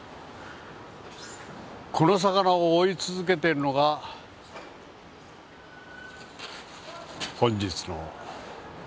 この魚を追い続けているのが本日の主人公。